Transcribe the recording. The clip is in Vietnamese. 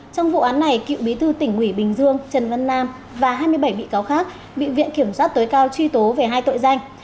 trong vụ án này cựu bí thư tỉnh ủy bình dương trần văn nam và hai mươi bảy bị cáo khác bị viện kiểm soát tối cao truy tố về hai tội danh